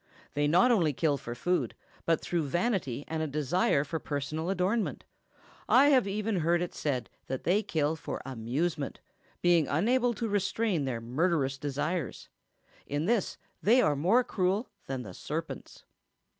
They not only kill for food, but through vanity and a desire for personal adornment. I have even heard it said that they kill for amusement, being unable to restrain their murderous desires. In this they are more cruel than the serpents."